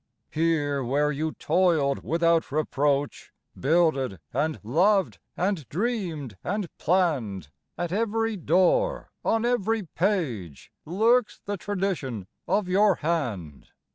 Here where you toiled without reproach, Builded and loved and dreamed and planned, At every door, on every page, Lurks the tradition of your hand.